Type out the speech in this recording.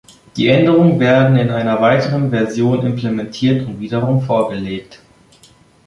Die Änderungen werden in einer weiteren Version implementiert und wiederum vorgelegt.